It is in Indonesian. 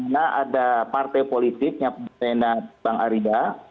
nah ada partai politiknya benar bang arya